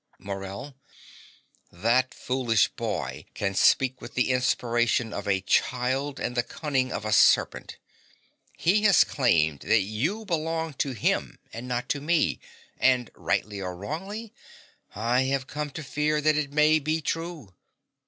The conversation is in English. MORELL. That foolish boy can speak with the inspiration of a child and the cunning of a serpent. He has claimed that you belong to him and not to me; and, rightly or wrongly, I have come to fear that it may be true.